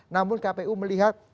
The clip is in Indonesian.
namun kpu melihat